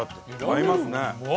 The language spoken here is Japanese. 合いますね！